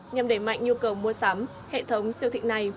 nhằm đẩy mạnh nhu cầu mua sắm hệ thống siêu thị này